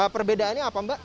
perbedaannya apa mbak